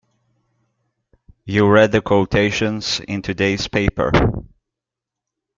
You read the quotations in today's paper.